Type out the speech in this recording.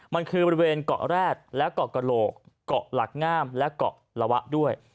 มันคือบริเวณเกาะแรดและเกาะกระโหลกเกาะหลักงามและเกาะละวะด้วย